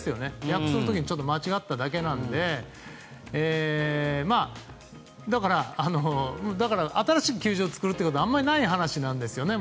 訳する時に間違っただけなのでだから、新しく球場を作ることはあまりない話なんですよね。